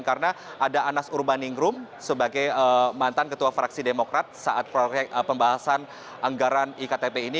karena ada anas urbaningrum sebagai mantan ketua fraksi demokrat saat proyek pembahasan anggaran iktp ini